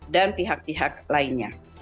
dan pihak pihak lainnya